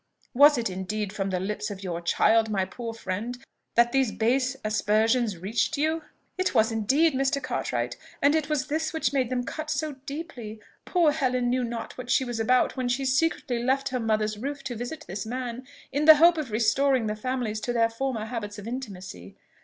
Was it indeed from the lips of your child, my poor friend, that these base aspersions reached you?" "It was indeed, Mr. Cartwright; and it was this which made them cut so deeply. Poor Helen knew not what she was about when she secretly left her mother's roof to visit this man, in the hope of restoring the families to their former habits of intimacy!"